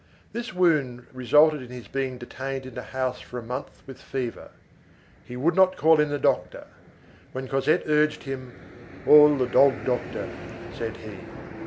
This wound resulted in his being detained in the house for a month with fever. He would not call in a doctor. When Cosette urged him, "Call the dog doctor," said he.